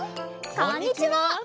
こんにちは！